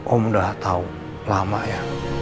om udah tahu lama ya